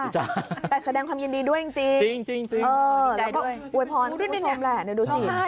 แต่แสดงความยินดีด้วยจริงแล้วก็อวยพรคุณผู้ชมแหละดูสิ